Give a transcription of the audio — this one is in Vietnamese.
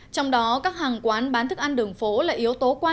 trong đó các hàng quán bán thức ăn đường phố là yếu tố quan trọng góp phần